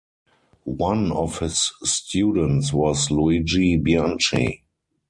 One of his students was Luigi Bianchi.